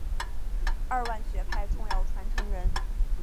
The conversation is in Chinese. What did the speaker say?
二万学派重要传承人。